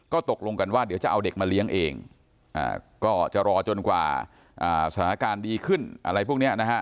ก็ตกลงกันว่าเดี๋ยวจะเอาเด็กมาเลี้ยงเองก็จะรอจนกว่าสถานการณ์ดีขึ้นอะไรพวกนี้นะฮะ